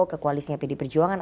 ke koalisinya pd perjuangan